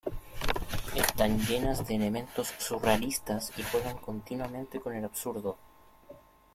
Están llenas de elementos surrealistas y juega continuamente con el absurdo.